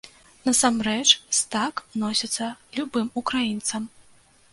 Насамрэч, з так носяцца любым украінцам!